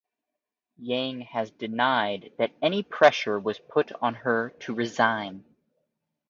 Yang has denied that any pressure was put on her to resign.